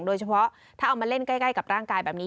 โดยเฉพาะถ้าเอามาเล่นใกล้กับร่างกายแบบนี้